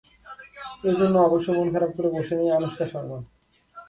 এ জন্য অবশ্য মন খারাপ করে বসে নেই আনুশকা শর্মা।